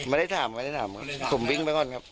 ไม่ได้ถามไม่ได้ถามครับผมวิ่งไปก่อนครับ